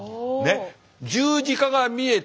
十字架が見えて